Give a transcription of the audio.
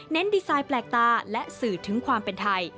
ดีไซน์แปลกตาและสื่อถึงความเป็นไทย